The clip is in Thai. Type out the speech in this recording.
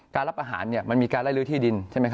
การรับอาหารมันมีการไล่ลื้อที่ดิน